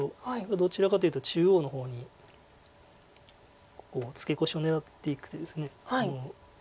どちらかというと中央の方にツケコシを狙っていく手です。を強調した手なので。